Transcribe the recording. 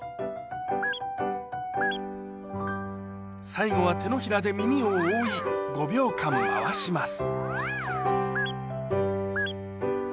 最後は手のひらで耳を覆い５秒間回します